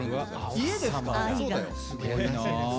家ですか？